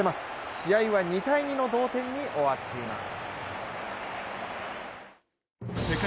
試合は２−２の同点に終わっています。